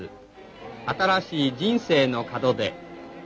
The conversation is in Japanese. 新しい人生の門出」。